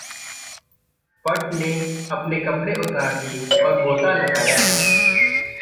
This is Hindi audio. पॅट ने अपने कपड़े उतार दिये और ग़ोता लगाया।